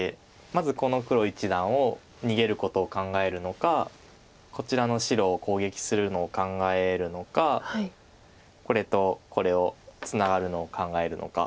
まずこの黒一団を逃げることを考えるのかこちらの白を攻撃するのを考えるのかこれとこれをツナがるのを考えるのか。